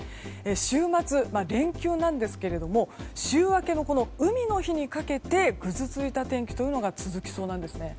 週末、連休なんですが週明けの海の日にかけてぐずついた天気が続きそうなんですね。